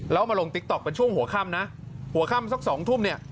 แล้วมาลงติ๊กต๊อกเป็นช่วงหัวค่ำนะหัวค่ำสัก๒ทุ่มเนี่ย